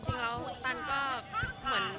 กับ๓๕๐ตัวนะครับ